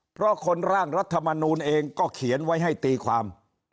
เพราะคนร่างรัฐมนูลเองก็เขียนไว้ให้ตีความ